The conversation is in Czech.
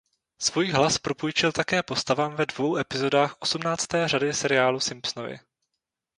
Svůj hlas propůjčil také postavám ve dvou epizodách osmnácté řady seriálu "Simpsonovi".